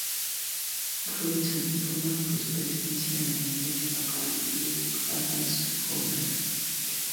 Robinson, informaron de su presencia en el diario local Lubbock Avalanche-Journal.